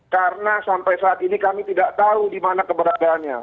karena sampai saat ini kami tidak tahu di mana keberadaannya